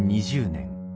２０２０年。